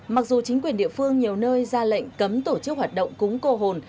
mặc dù chính quyền địa phương nhiều nơi ra lệnh cấm tổ chức hoạt động cúng cô hồn